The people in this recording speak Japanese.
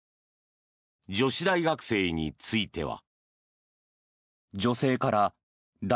女子大学生については。